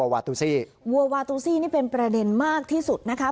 วัววาตูซี่นี่เป็นประเด็นมากที่สุดนะครับ